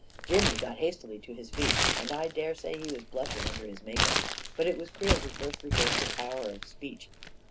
Jimmy got hastily to his feet, and I dare say he was blushing under his makeup. But it was Creel who first regained the power of speech.